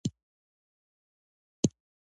په خلاص ذهن او پرانیستو سترګو یې ارزول.